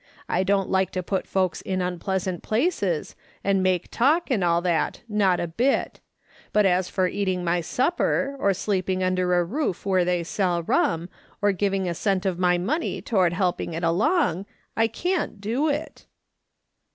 I don't like to put folks in impleasant places, and make talk, and all that, not a bit; but as for eating my supper, or sleeping under a roof where they sell rum, or giving a cent of my money toward helping it along, I can't do it."